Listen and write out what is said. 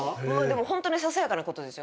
ホントにささやかなことですよ。